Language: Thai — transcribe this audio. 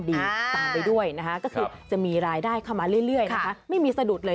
ดีตามไปด้วยนะค่ะจะมีรายได้เข้ามาเรื่อยไม่มีสะดุดเลย